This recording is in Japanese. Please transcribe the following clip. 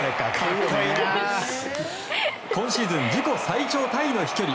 今シーズン自己最長タイの飛距離